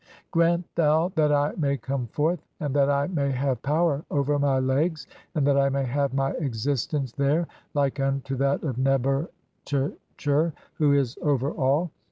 Grant thou that I may come forth, and that I may have "power over my legs, and that I may have my existence there "like (8) unto that of Neb er tcher who is over [all].